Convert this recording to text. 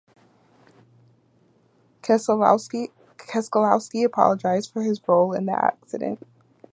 Keselowski apologized for his role in the accident.